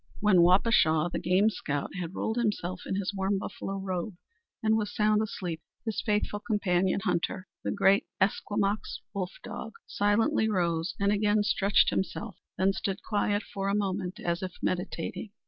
When Wapashaw, the game scout, had rolled himself in his warm buffalo robe and was sound asleep, his faithful companion hunter, the great Esquimaux wolf dog, silently rose and again stretched himself, then stood quiet for a moment as if meditating.